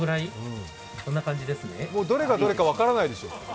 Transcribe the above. どれがどれか分からないでしょ？